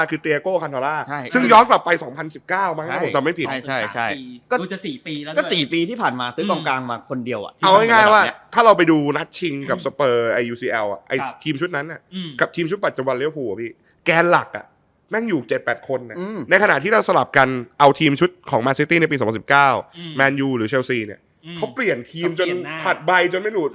เขาเปลี่ยนครีมจนผัดใบจนไม่หลุด